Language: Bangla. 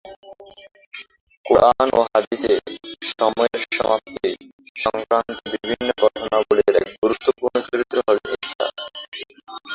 কুরআন ও হাদিসে "সময়ের সমাপ্তি" সংক্রান্ত বিভিন্ন ঘটনাবলির এক গুরুত্বপূর্ণ চরিত্র হলেন ঈসা।